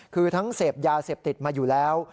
คือทั้งเสพยาเสพติดมาอยู่แล้ว